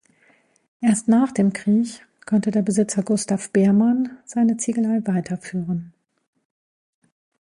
Erst nach dem Krieg konnte der Besitzer Gustav Beermann seine Ziegelei weiterführen.